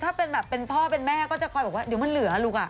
ถ้าเป็นแบบเป็นพ่อเป็นแม่ก็จะคอยบอกว่าเดี๋ยวมันเหลือลูก